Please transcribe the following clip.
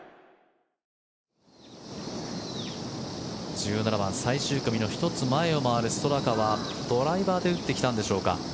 １７番最終組の１つ前を回るストラカはドライバーで打ってきたんでしょうか。